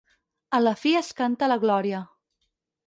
A la fi es canta la glòria.